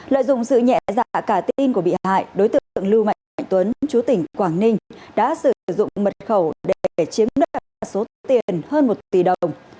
lợi dụng sự nhẹ dạ cả tin của bị hại đối tượng lưu mạnh tuấn chú tỉnh quảng ninh đã sử dụng mật khẩu để chiếm đoạt số tiền hơn một tỷ đồng